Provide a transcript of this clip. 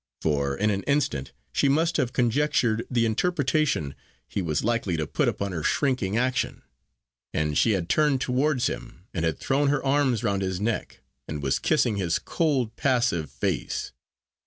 For in an instant she must have conjectured the interpretation he was likely to put upon her shrinking action, and she had turned towards him, and had thrown her arms round his neck, and was kissing his cold, passive face.